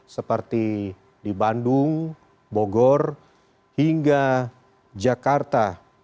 seperti di bandung bogor hingga jakarta